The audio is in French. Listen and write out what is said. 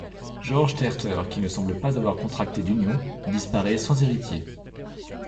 Georges Terter, qui ne semble pas avoir contracté d’union, disparaît sans héritier.